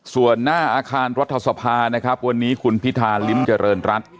ส่วนหน้าอาคารรัฐสภานะครับวันนี้คุณพิธาลิ้มเจริญรัฐ